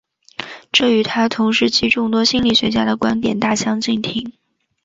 这与他同时期众多心理学家的观点大相径庭。